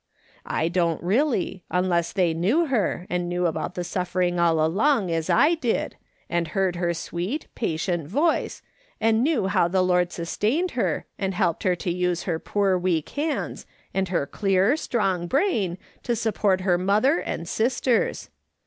I don't really, unless they knew her, and knew about the suffering all along as I did, and heard her sweet, patient voice, and knew how the Lord sustained her, and helped her to use her poor M'eak hands, and her clear, strong brain, to support her mother and sisters.